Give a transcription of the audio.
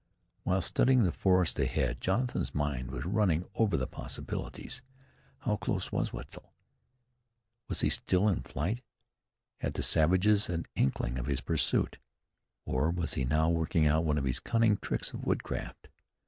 While studying the forest ahead Jonathan's mind was running over the possibilities. How close was Wetzel? Was he still in flight? Had the savages an inkling of his pursuit? Or was he now working out one of his cunning tricks of woodcraft?